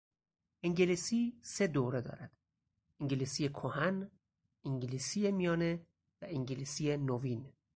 انگلیسی سهدوره دارد: انگلیسی کهن، انگلیسی میانه و انگلیسی نوین